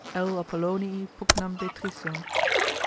L. Appolonii pugnam Betriciam.